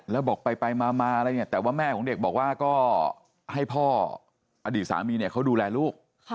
แล้วบอกไปมาอะไรเนี่ยแต่ว่าแม่ของเด็กบอกว่าก็ให้พ่ออดีตสามีเนี่ยเขาดูแลลูก